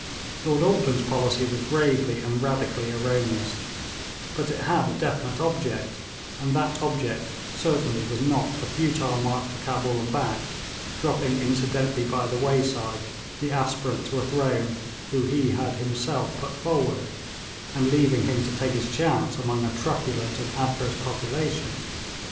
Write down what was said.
Lord Auckland's policy was gravely and radically erroneous, but it had a definite object, and that object certainly was not a futile march to Cabul and back, dropping incidentally by the wayside the aspirant to a throne whom he had himself put forward, and leaving him to take his chance among a truculent and adverse population.